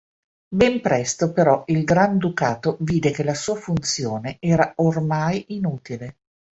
Ben presto però il Granducato vide che la sua funzione era oramai inutile.